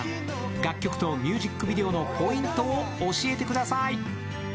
楽曲とミュージックビデオのポイントを教えてください。